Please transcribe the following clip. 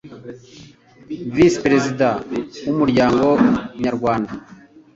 visi perezida w umuryango nyarwanda